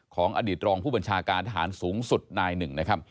ของอดีตรองผู้บัญชาการทหารสูงสุดนายหนึ่งนะครับ